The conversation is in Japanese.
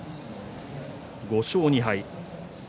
５勝２敗。